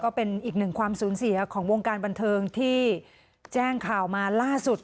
ก็เป็นอีกหนึ่งความสูญเสียของวงการบันเทิงที่แจ้งข่าวมาล่าสุด